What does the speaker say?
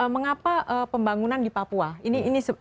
mengapa pembangunan di papua ini